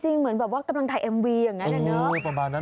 จริงเหมือนแบบว่ากำลังถ่ายเอ็มวีอย่างนั้นเนอะ